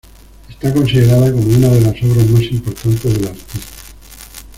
Está considerada como una de las obras más importantes del artista.